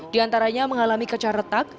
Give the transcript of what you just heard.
di antaranya mengalami kecah retak